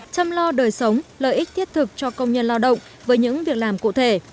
chăm lo đời sống lợi ích thiết thực cho công nhân lao động với những việc làm cụ thể